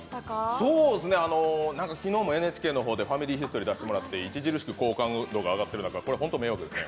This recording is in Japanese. そうですね、なんか昨日もＮＨＫの方で「ファミリーヒストリー」出させていただいて著しく好感度が上がっている中、これはホント迷惑ですよ。